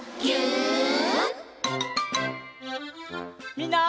みんな。